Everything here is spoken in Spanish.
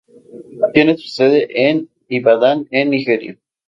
Tiene su sede en Ibadán en Nigeria.